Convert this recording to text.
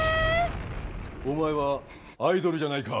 お前はアイドルじゃないか。